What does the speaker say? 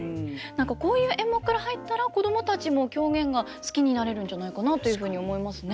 こういう演目から入ったら子供たちも狂言が好きになれるんじゃないかなというふうに思いますね。